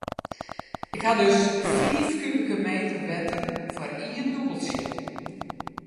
Ik ha dus fiif kubike meter wetter foar ien dûbeltsje.